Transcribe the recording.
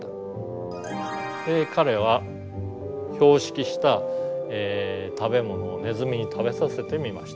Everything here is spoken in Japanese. で彼は標識した食べ物をネズミに食べさせてみました。